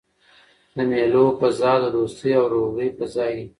د مېلو فضا د دوستۍ او ورورولۍ فضا يي.